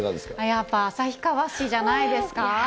やっぱ旭川市じゃないですか。